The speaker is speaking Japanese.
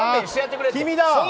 君だ！